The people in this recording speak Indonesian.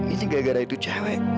ini gak gara gara itu cewek